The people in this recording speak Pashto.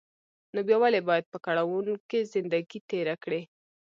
نو بيا ولې بايد په کړاوو کې زندګي تېره کړې.